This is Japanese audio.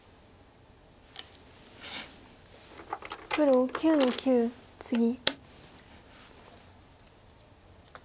黒９の九ツギ。